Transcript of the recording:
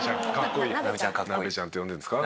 ナベちゃんって呼んでるんですか？